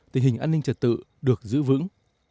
tình hình an ninh trật tự được giữ vững